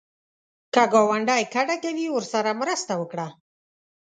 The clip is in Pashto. که ګاونډی کډه کوي، ورسره مرسته وکړه